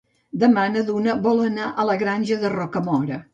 Demà na Duna vol anar a la Granja de Rocamora.